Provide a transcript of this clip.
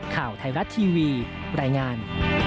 ข่าวไทยรัฐทีวีรายงาน